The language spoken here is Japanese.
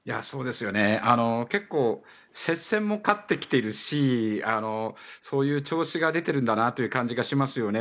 結構、接戦も勝ってきているしそういう調子が出ているんだなという感じがしますよね。